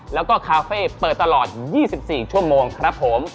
แล้วก็คาเฟ่เปิดตลอด๒๔ชั่วโมงครับผม